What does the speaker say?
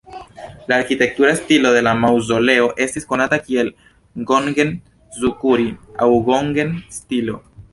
La arkitektura stilo de la maŭzoleo estis konata kiel "gongen-zukuri" aŭ "gongen"-stilo.